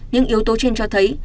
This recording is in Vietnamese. những yếu tố trên cho thấy